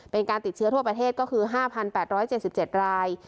เป็นการติดเชื้อทั่วประเทศก็คือ๕๘๗๗ราย